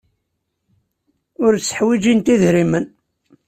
Ur tteḥwijint idrimen.